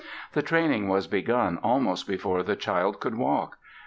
The training was begun almost before the child could walk.